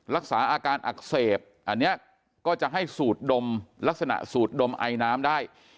รักษาอาการอักเสบอันนี้ก็จะให้สูดดมลักษณะสูดดมไอน้ำได้